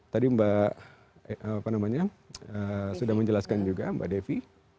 tadi mbak sudah menjelaskan juga mbak devi